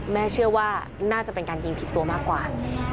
เชื่อว่าน่าจะเป็นการยิงผิดตัวมากกว่า